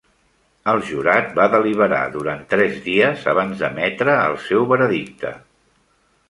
El jurat va deliberar durant tres dies abans d'emetre el seu veredicte.